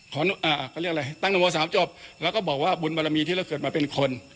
เขาเรียกอะไรตั้งนโมสามจบแล้วก็บอกว่าบุญบารมีที่เราเกิดมาเป็นคน